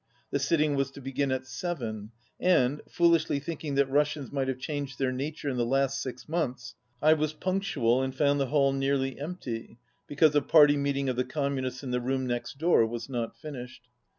The sitting was to begin at seven, and, foolishly thinking that Russians might have changed their nature in the last six months, I was punctual and found the hall nearly empty, 49 because a party meeting of the Communists in the room next door was not finished.